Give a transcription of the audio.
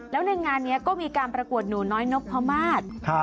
แล้วในงานนี้ก็มีการประกวดหนูน้อยนพมาศ